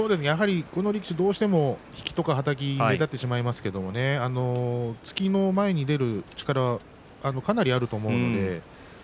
どうしても引きとかはたきが目立ってしまいますが突きの前に出る力がかなりあると思います。